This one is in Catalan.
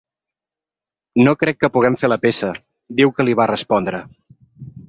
No crec que puguem fer la peça, diu que li va respondre.